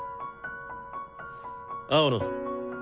青野。